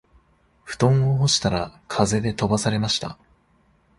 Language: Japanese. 布団を干したら風で飛ばされました